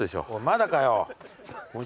まだかよ。